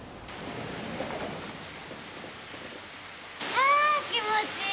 ああ気持ちいい！